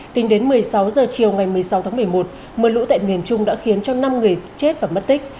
tính đến một mươi sáu h chiều ngày một mươi sáu tháng một mươi một mưa lũ tại miền trung đã khiến cho năm người chết và mất tích